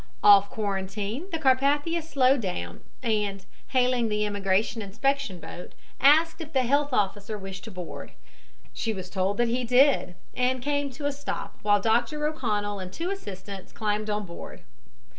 Off quarantine the Carpathia slowed down and, hailing the immigration inspection boat, asked if the health officer wished to board. She was told that he did, and came to a stop while Dr. O'Connell and two assistants climbed on board.